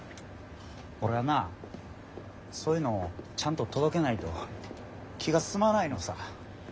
俺はなそういうのをちゃんと届けないと気が済まないのさ。